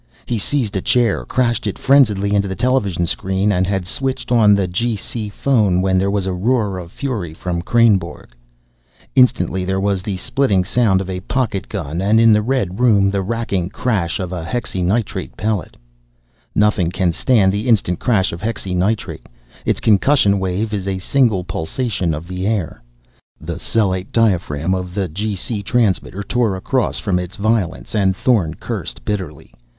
He seized a chair, crashed it frenziedly into the television screen, and had switched on the G.C. phone when there was a roar of fury from Kreynborg. Instantly there was the spitting sound of a pocket gun and in the red room the racking crash of a hexynitrate pellet. Nothing can stand the instant crash of hexynitrate. Its concussion wave is a single pulsation of the air. The cellate diaphragm of the G.C. transmitter tore across from its violence and Thorn cursed bitterly.